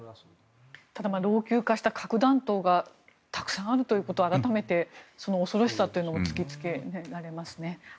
ただ、老朽化した核弾頭がたくさんあるということは改めてその恐ろしさというのも突きつけられますね。